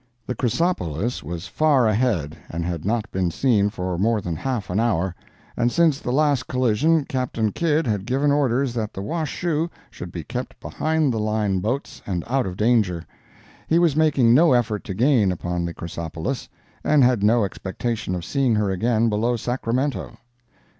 The Chrysopolis was far ahead, and had not been seen for more than half an hour; and since the last collision Captain Kidd had given orders that the Washoe should be kept behind the line boats and out of danger; he was making no effort to gain upon the Chrysopolis, and had no expectation of seeing her again below Sacramento.